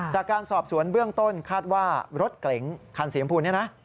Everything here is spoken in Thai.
จากการสอบสวนเบื้องต้นคาดว่ารถเก๋งคันสีชมพูนี่นะ